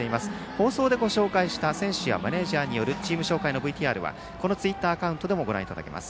放送でご紹介した選手やマネージャーによるチーム紹介のＶＴＲはこのツイッターアカウントでもご覧いただけます。